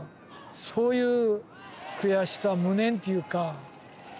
そういう悔しさ無念っていうか。